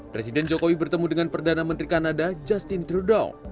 presiden jokowi bertemu dengan perdana menteri kanada justin trudeau